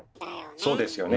そうですよね。